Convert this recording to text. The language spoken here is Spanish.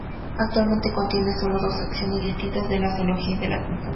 Actualmente contiene sólo dos secciones distintas, la de la zoología y la de anatomía.